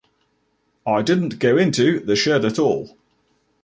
I didn't go into the shed at all.